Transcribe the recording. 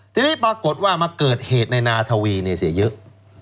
ทีนี้ปรากฏว่ามาเกิดเหตุในนาทวีเนี่ยเสียเยอะ